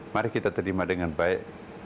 mari kita terima dengan baik